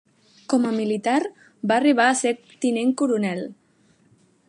Com a militar, va arribar a ser tinent coronel.